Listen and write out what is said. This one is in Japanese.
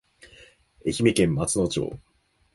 愛媛県松野町